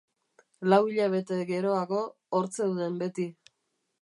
Lau hilabete geroago, hor zeuden beti.